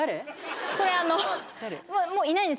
それあの。